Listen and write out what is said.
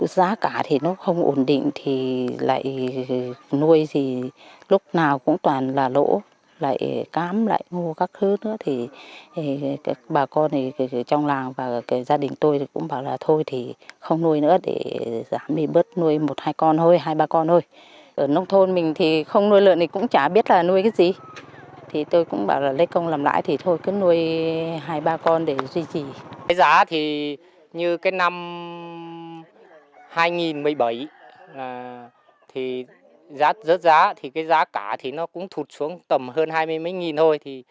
giá thì như cái năm hai nghìn một mươi bảy giá rớt giá thì cái giá cả thì nó cũng thụt xuống tầm hơn hai mươi mấy nghìn thôi